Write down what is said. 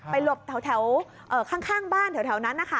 ไปหลบแถวข้างบ้านแถวนั้น